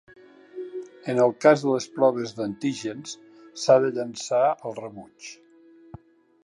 En el cas de les proves d’antígens, s’ha de llençar al rebuig.